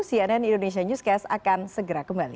cnn indonesia newscast akan segera kembali